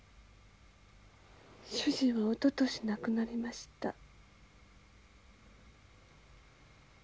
主人はおととし亡くなりました。